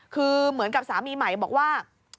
คือเหมือนกับสามีใหม่บอกว่า